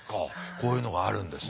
こういうのがあるんです。